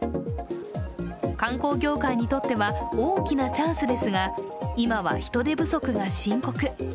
観光業界にとっては大きなチャンスですが今は人手不足が深刻。